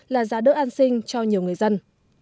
là giá đỡ an sinh cho nhiều người dân